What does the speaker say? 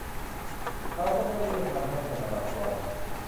เราก็ไม่เรียกมันว่าธนบัตรปลอม